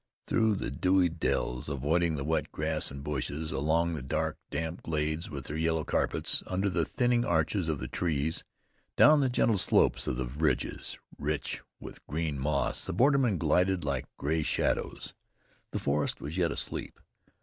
Through the dewy dells, avoiding the wet grass and bushes, along the dark, damp glades with their yellow carpets, under the thinning arches of the trees, down the gentle slopes of the ridges, rich with green moss, the bordermen glided like gray shadows. The forest was yet asleep.